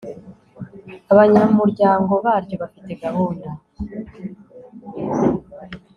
abanyamuryango baryo bafite gahunda